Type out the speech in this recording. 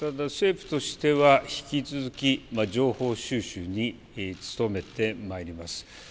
ただ政府としては引き続き情報収集に努めてまいります。